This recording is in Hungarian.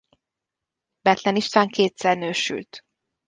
Bethlen István kétszer nősült.